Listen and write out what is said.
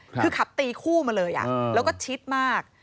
คือขับตีคู่มาเลยแล้วก็ชิดมาก